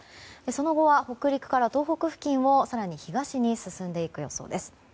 その後は北陸から東北付近を更に東に進んでいく予想です。